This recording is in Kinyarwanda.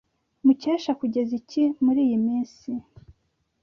Mukesha kugeza iki muriyi minsi?